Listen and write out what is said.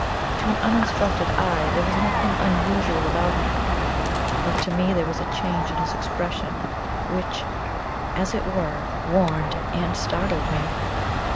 To an uninstructed eye there was nothing unusual about him; but to me there was a change in his expression which, as it were, warned and startled me.